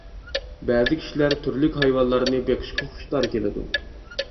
بەزى كىشىلەر تۈرلۈك ھايۋانلارنى بېقىشقا خۇشتار كېلىدۇ.